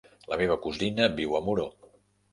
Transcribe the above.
La meva cosina viu a Muro.